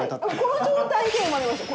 この状態で生まれました。